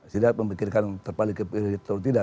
tidak memikirkan terpaling ke pilih atau tidak